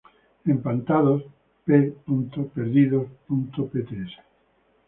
Empatados, P. Perdidos, Pts.